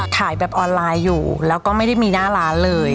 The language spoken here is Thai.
ขายแบบออนไลน์อยู่แล้วก็ไม่ได้มีหน้าร้านเลย